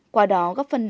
quả đó góp vấn đề